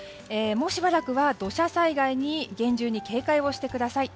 もうしばらくは土砂災害に厳重に警戒をしてください。